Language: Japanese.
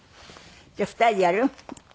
じゃあ２人でやる？